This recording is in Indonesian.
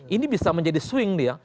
ini bisa menjadi swing dia